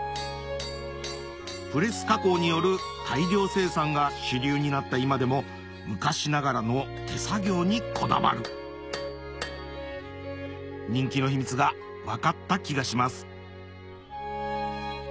プレス加工による大量生産が主流になった今でも昔ながらの手作業にこだわる人気の秘密が分かった気がします